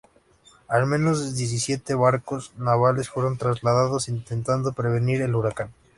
Al menos diecisiete barcos navales fueron trasladados intentando prevenir el huracán.